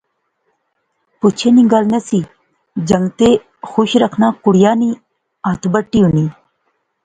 پچھے نی گل نہسی، جنگتے خوش رکھنا کڑیا نی ہتھ بٹی ہونی